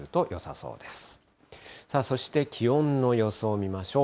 そして気温の予想見ましょう。